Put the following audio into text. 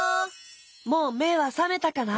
もうめはさめたかな？